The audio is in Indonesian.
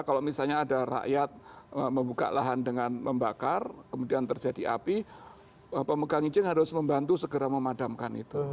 kalau misalnya ada rakyat membuka lahan dengan membakar kemudian terjadi api pemegang izin harus membantu segera memadamkan itu